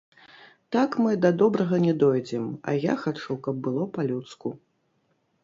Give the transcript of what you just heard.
Так мы да добрага не дойдзем, а я хачу, каб было па-людску.